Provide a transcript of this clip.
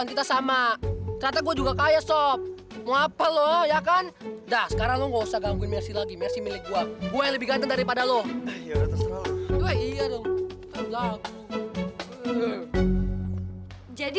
lily mending kita kesana aja